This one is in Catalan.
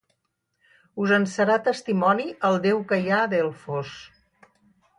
Us en serà testimoni el déu que hi ha a Delfos.